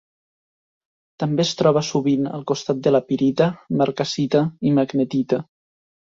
També es troba sovint al costat de la pirita, marcassita i magnetita.